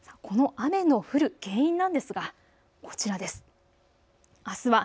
この雨の降る原因なんですがこちらです。